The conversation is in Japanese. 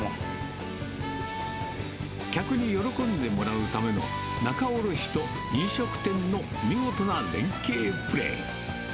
客に喜んでもらうための、仲卸と飲食店の見事な連係プレー。